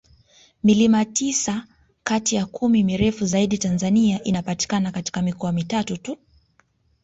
Milima tisa kati ya kumi mirefu zaidi Tanzania inapatikana katika mikoa mitatu tu